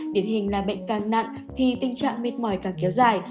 điển hình là bệnh càng nặng thì tình trạng mệt mỏi càng kéo dài